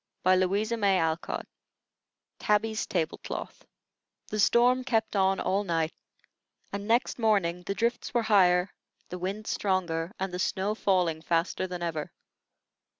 TABBY'S TABLE CLOTH The storm kept on all night, and next morning the drifts were higher, the wind stronger, and the snow falling faster than ever.